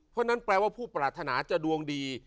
เพราะฉะนั้นแปลว่าผู้ปรารถนาจะดวงดี